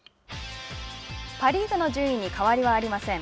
パ・リーグの順位に変わりはありません。